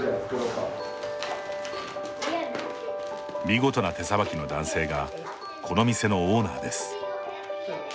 見事な手さばきの男性がこの店のオーナーです。